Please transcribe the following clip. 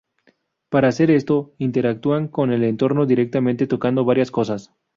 Para hacer esto, interactúan con el entorno directamente tocando varias cosas.